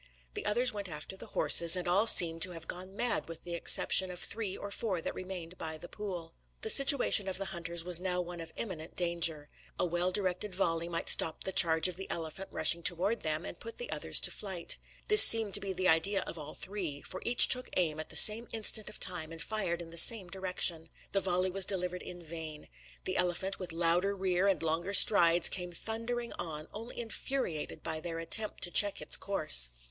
The others went after the horses, and all seemed to have gone mad with the exception of three or four that remained by the pool. The situation of the hunters was now one of imminent danger. A well directed volley might stop the charge of the elephant rushing towards them, and put the others to flight. This seemed to be the idea of all three; for each took aim at the same instant of time and fired in the same direction. The volley was delivered in vain. The elephant, with louder rear and longer strides, came thundering on, only infuriated by their attempt to check its course.